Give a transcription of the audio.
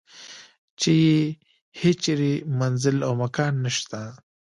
چې یې هیچرې منزل او مکان نشته.